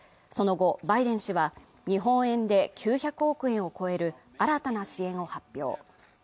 その後バイデン氏は日本円で９００億円を超える新たな支援を発表